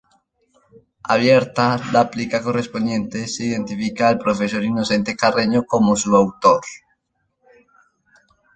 Abierta la plica correspondiente, se identifica al profesor Inocente Carreño como su autor.